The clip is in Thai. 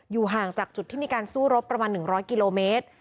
ห่างจากจุดที่มีการสู้รบประมาณ๑๐๐กิโลเมตร